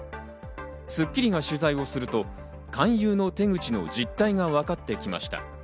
『スッキリ』が取材をすると、勧誘の手口の実態が分かってきました。